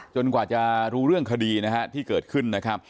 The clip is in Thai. จนกว่าจะรู้เรื่องคดีที่เกิดขึ้น